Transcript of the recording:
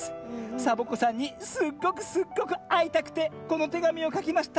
サボ子さんにすっごくすっごくあいたくてこのてがみをかきました」。